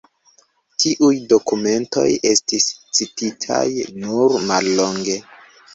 Tiuj dokumentoj estis cititaj nur mallonge.